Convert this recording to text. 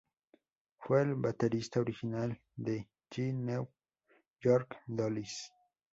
Fue el baterista original de The New York Dolls.